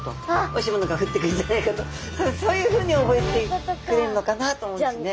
おいしいものが降ってくるんじゃないかと多分そういうふうに覚えてくれるのかなと思うんですね。